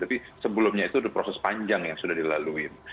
tapi sebelumnya itu proses panjang yang sudah dilalui